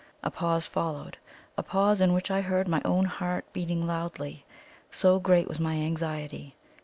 A pause followed a pause in which I heard my own heart beating loudly, so great was my anxiety.